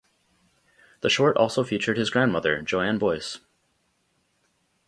The short also featured his grandmother, Jo Ann Boyce.